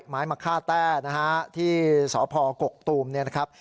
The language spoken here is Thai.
ไม้มะค่าแต้นะฮะที่สพกกตูมเนี่ยนะครับ